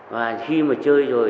và khi mà chơi rồi